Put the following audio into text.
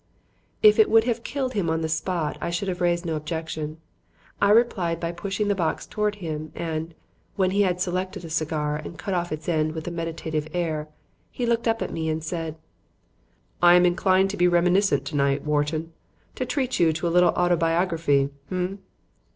If it would have killed him on the spot, I should have raised no objection. I replied by pushing the box towards him, and, when he had selected a cigar and cut off its end with a meditative air, he looked up at me and said: "I am inclined to be reminiscent tonight, Wharton; to treat you to a little autobiography, h'm?"